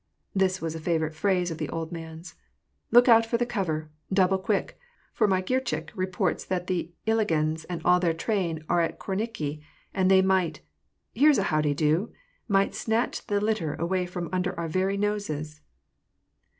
This was a favorite phrase of the old man's. '^ Look out for the cover, double quick, for my Girchik reports that the Uagins, and all their train, are in at Korniki, and they might — here's a how de do! — might snatch the litter away from under our very noses